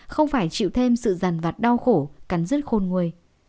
không phải chịu thêm sự giàn vặt đau khổ cắn rứt khôn nguôi